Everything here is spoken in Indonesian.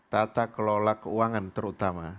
tata kelola keuangan terutama